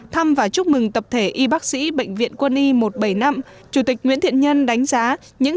thăm và chúc mừng tập thể y bác sĩ bệnh viện quân y một trăm bảy mươi năm chủ tịch nguyễn thiện nhân đánh giá những